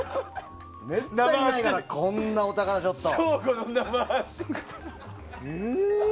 めったにないからこんなお宝ショット。